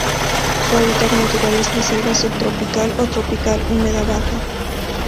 Su hábitat natural es la selva subtropical o tropical húmeda baja.